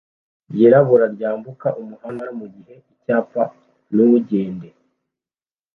ryirabura ryambuka umuhanda mugihe icyapa "Ntugende"